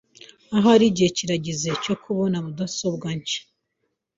Ahari igihe kirageze cyo kubona mudasobwa nshya .